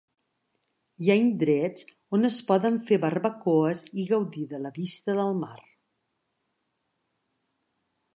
Hi ha indrets on es poden fer barbacoes i gaudir de la vista del mar.